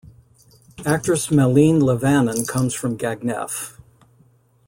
Actress Malin Levanon comes from Gagnef.